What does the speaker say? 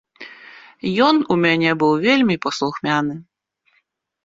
Ён у мяне быў вельмі паслухмяны.